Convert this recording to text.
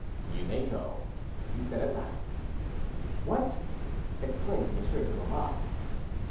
"You may go," he said at last. "What!" exclaimed Monsieur de Lamotte.